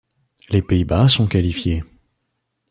Les Pays-Bas sont qualifiés.